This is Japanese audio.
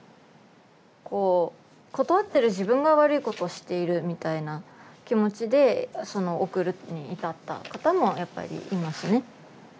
こう断ってる自分が悪いことをしているみたいな気持ちで送るに至った方もやっぱりいますね。